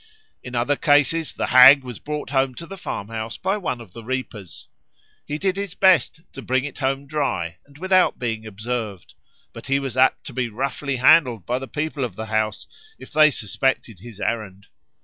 In other cases the Hag was brought home to the farmhouse by one of the reapers. He did his best to bring it home dry and without being observed; but he was apt to be roughly handled by the people of the house, if they suspected his errand.